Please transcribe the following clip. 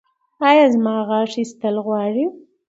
ایا زما غاښ ایستل غواړي؟